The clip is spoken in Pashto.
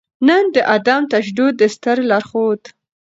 نــن د عـدم تـشدود د ســتــر لارښــود